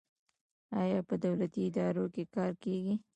آیا په دولتي ادارو کې کار کیږي؟